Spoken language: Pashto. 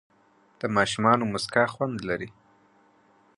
د ماشومانو موسکا خوند لري.